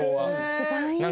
一番いいわ。